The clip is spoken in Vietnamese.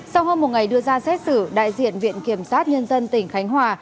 sau hôm một ngày đưa ra xét xử đại diện viện kiểm soát nhân dân tỉnh khánh hòa